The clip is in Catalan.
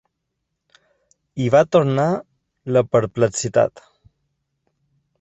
Hi va tornar la perplexitat.